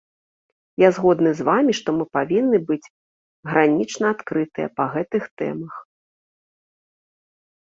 Я згодны з вамі, што мы павінны быць гранічна адкрытыя па гэтых тэмах.